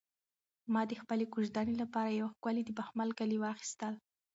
ما د خپلې کوژدنې لپاره یو ښکلی د بخمل کالي واخیستل.